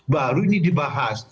baru ini dibahas